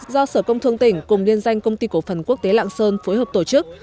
do sở công thương tỉnh cùng liên danh công ty cổ phần quốc tế lạng sơn phối hợp tổ chức